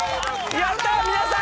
やったー、皆さん。